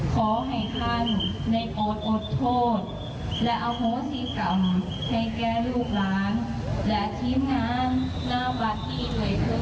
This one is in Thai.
ขอให้ท่านในโอดอดโทษและอมศิกรรมให้แก่ลูกหลานและทีมงานนาบัติด่วยเพิ่ม